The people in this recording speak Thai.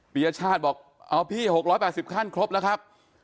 ปียชาติบอกเอาพี่๖๘๐ขั้นครบแล้วครับ